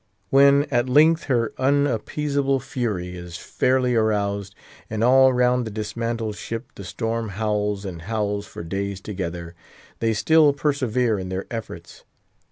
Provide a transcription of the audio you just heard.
When, at length, her unappeasable fury is fairly aroused, and all round the dismantled ship the storm howls and howls for days together, they still persevere in their efforts.